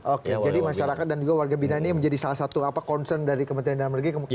oke jadi masyarakat dan juga warga bina ini menjadi salah satu concern dari kementerian dalam negeri